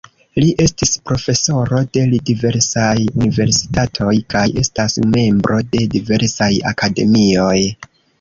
Li estis profesoro de diversaj universitatoj kaj estas membro de diversaj akademioj.